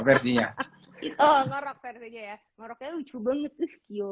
itu versinya itu